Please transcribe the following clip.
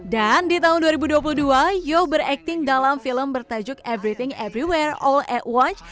dan di tahun dua ribu dua puluh dua yeoh berakting dalam film bertajuk everything everywhere all at once